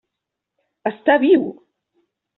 Està viu!